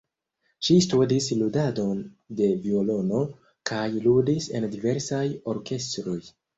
Ŝi studis ludadon de violono kaj ludis en diversaj orkestroj.